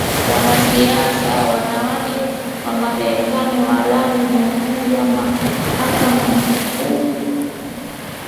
Wanasiasa wanawake wa Marekani walaani uamuzi wa Mahakama Kuu